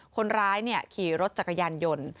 คนร้ายขี่รถจักรยานยนต์